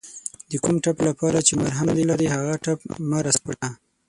د کوم ټپ لپاره چې مرهم نلرې هغه ټپ مه راسپړه